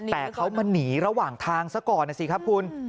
แต่เขามาหนีระหว่างทางซะก่อนนะสิครับคุณ